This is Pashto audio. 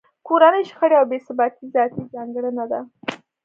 کورنۍ شخړې او بې ثباتۍ ذاتي ځانګړنه ده.